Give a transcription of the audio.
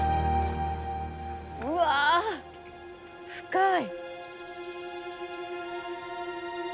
うわ深い。